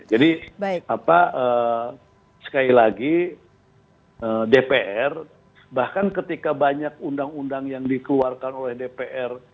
jadi sekali lagi dpr bahkan ketika banyak undang undang yang dikeluarkan oleh dpr